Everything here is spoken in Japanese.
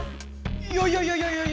いやいやいやいやいやいや！